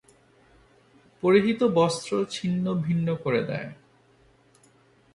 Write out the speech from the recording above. পরিহিত বস্ত্র ছিন্ন-ভিন্ন করে দেয়।